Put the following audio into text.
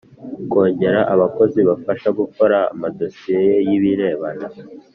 kongera abakozi bafasha gukora amadosiye y’ibirarane